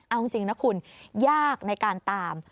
เอาจริงนะคุณยากในการตาม